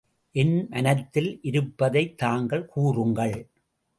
என் மனத்தில் இருப்பதைத் தாங்கள் கூறுங்கள்